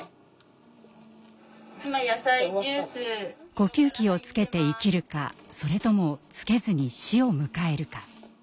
呼吸器をつけて生きるかそれともつけずに死を迎えるか。